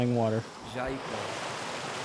Jaicós